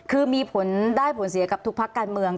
คือมีผลได้ผลเสียกับทุกพักการเมือง